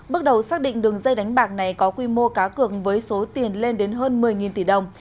bước đầu xác định đường dây đánh bạc này có quy mô cá cường với số tiền lên đến hơn một mươi tỷ đồng